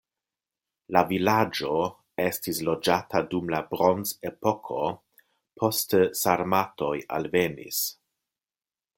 La vilaĝo estis loĝata dum la bronzepoko, poste sarmatoj alvenis.